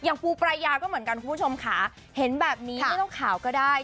ปูปรายาก็เหมือนกันคุณผู้ชมค่ะเห็นแบบนี้ไม่ต้องข่าวก็ได้